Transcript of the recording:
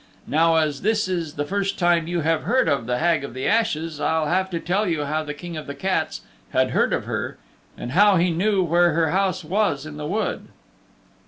Now as this is the first time you have heard of the Hag of the Ashes, I'll have to tell you how the King of the Cats had heard of her and how he knew where her house was in the wood.